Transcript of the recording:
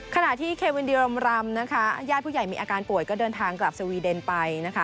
ขณะที่เควินดีรมรำนะคะญาติผู้ใหญ่มีอาการป่วยก็เดินทางกลับสวีเดนไปนะคะ